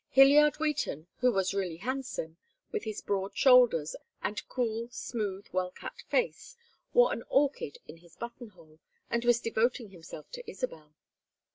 Hyliard Wheaton, who was really handsome, with his broad shoulders and cool smooth well cut face, wore an orchid in his button hole and was devoting himself to Isabel.